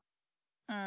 うん。